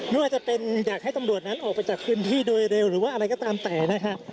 ไม่ว่าจะเป็นอยากให้ตำรวจนั้นออกไปจากพื้นที่โดยเร็วหรือว่าอะไรก็ตามแต่นะครับ